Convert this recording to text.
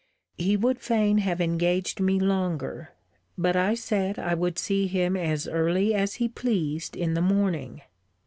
He would fain have engaged me longer: but I said I would see him as early as he pleased in the morning.